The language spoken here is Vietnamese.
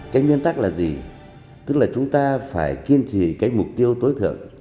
cái nguyên tắc là gì tức là chúng ta phải kiên trì cái mục tiêu tối thượng